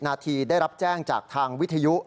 นาทีได้รับแจ้งจากทางวิทยุ